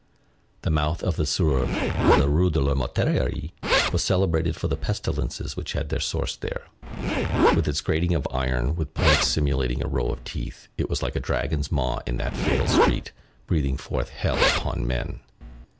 The mouth of the sewer of the Rue de la Mortellerie was celebrated for the pestilences which had their source there; with its grating of iron, with points simulating a row of teeth, it was like a dragon's maw in that fatal street, breathing forth hell upon men.